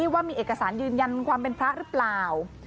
ว่ามีเอกสารยืนยันความเป็นพระหรือเปล่า